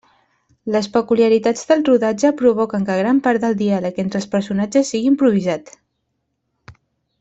Les peculiaritats del rodatge provoquen que gran part del diàleg entre els personatges sigui improvisat.